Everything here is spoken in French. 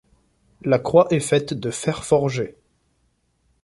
La croix est faite de Fer forgé.